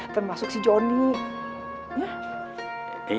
termasuk si jonny